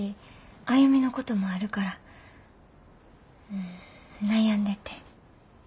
歩のこともあるから悩んでて。